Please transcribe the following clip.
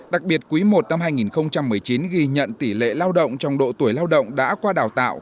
đặc biệt quý i năm hai nghìn một mươi chín ghi nhận tỷ lệ lao động trong độ tuổi lao động đã qua đào tạo